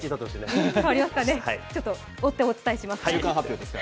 ちょっと追ってお伝えします。